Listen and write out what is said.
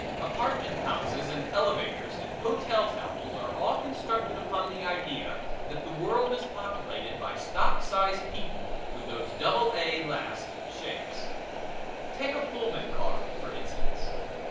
Apartment houses and elevators and hotel towels are all constructed upon the idea that the world is populated by stock size people with those double A last shapes. Take a Pullman car, for instance.